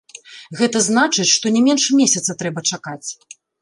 Гэта значыць, што не менш месяца трэба чакаць.